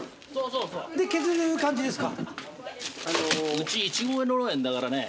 うちいちご農園だからね。